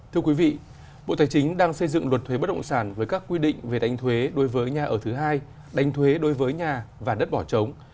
thưa quý vị bộ tài chính đang xây dựng luật thuế bất động sản với các quy định về đánh thuế đối với nhà ở thứ hai đánh thuế đối với nhà và đất bỏ trống